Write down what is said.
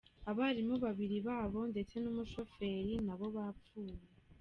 Abarimu babiri babo ndetse n’umushoferi nabo bapfuye.